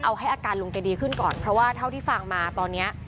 เอาให้อาการลุงแกดีขึ้นก่อนเพราะว่าเท่าที่ฟังมาตอนนี้